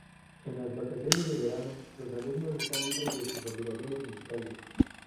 En las vacaciones de verano, los alumnos están libres de sus obligaciones musicales.